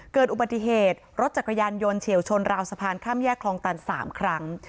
เกิดอุบัติเหตุรถจักรยานยนต์เฉียวชนราวสะพานข้ามแยกคลองตัน๓ครั้ง